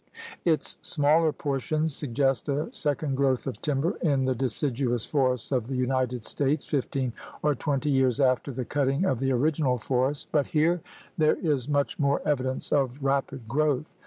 Its smaller portions suggest a second growth of timber in the deciduous forests of the United States fifteen or twenty years after the cutting of the original forest, but here there THE GARMENT OF VEGETATION 103 is much more evidence of rapid growth.